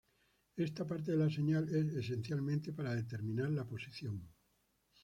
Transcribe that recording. Esta parte de la señal es esencial para determinar la posición.